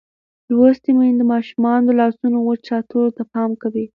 لوستې میندې د ماشومانو د لاسونو وچ ساتلو ته پام کوي.